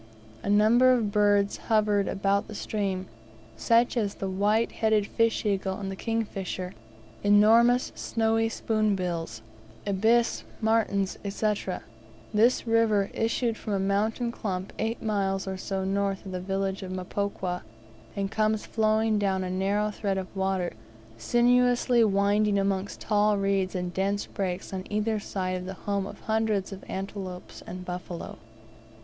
A number of birds hovered about stream, such as the white headed fish eagle and the kingfisher, enormous, snowy spoonbills, ibis, martins, &c. This river issued from a mountain clump eight miles or so north of the village of Mpokwa, and comes flowing down a narrow thread of water, sinuously winding amongst tall reeds and dense brakes on either side the home of hundreds of antelopes and buffaloes.